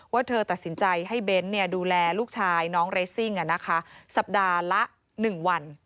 เธอตัดสินใจให้เบ้นดูแลลูกชายน้องเรซิ่งสัปดาห์ละ๑วัน